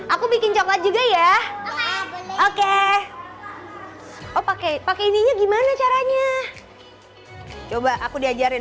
aku bikin coklat juga ya oke pakai ininya gimana caranya coba aku diajarin